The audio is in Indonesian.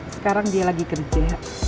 sekarang dia lagi kerja